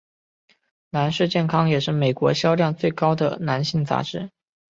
男士健康也是美国销量最高的男性杂志。